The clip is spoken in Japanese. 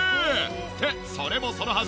ってそれもそのはず。